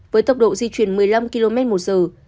với tốc độ di chuyển một mươi năm km một giờ